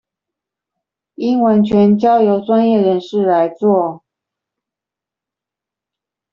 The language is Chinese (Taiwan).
應完全交由專業人士來做